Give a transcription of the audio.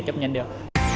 chấp nhận được